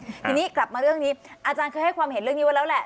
ทีนี้กลับมาเรื่องนี้อาจารย์เคยให้ความเห็นเรื่องนี้ไว้แล้วแหละ